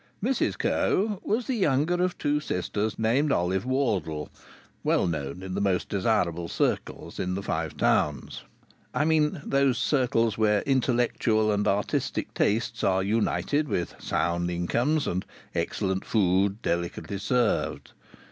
Mrs Coe was the younger of two sisters named Olive Wardle, well known in the most desirable circles in the Five Towns. I mean those circles where intellectual and artistic tastes are united with sound incomes and excellent food delicately served.